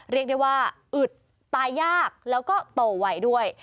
เรียกได้ว่าอึดตายยากแล้วก็โตไวด้วย